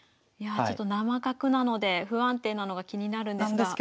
いやちょっと生角なので不安定なのが気になるんですが。